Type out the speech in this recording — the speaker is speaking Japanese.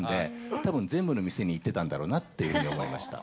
たぶん全部の店に行ってたんだろうなというふうに思いました。